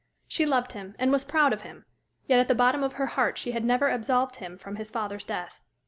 She loved him, and was proud of him; yet at the bottom of her heart she had never absolved him from his father's death.